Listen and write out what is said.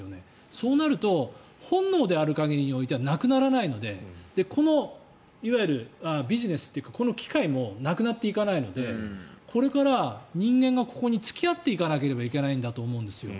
そうなると本能である限りにおいてはなくならないのでこのいわゆるビジネスというかこの機会もなくなっていかないのでこれから人間がここに付き合っていかなければいけないんだと思うんですよ。